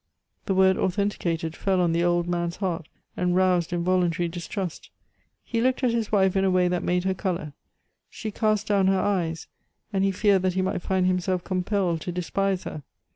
The word "authenticated" fell on the old man's heart, and roused involuntary distrust. He looked at his wife in a way that made her color, she cast down her eyes, and he feared that he might find himself compelled to despise her.